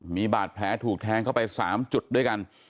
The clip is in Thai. มีบาดแผลถูกแทงเข้าไป๓จุดด้วยกัน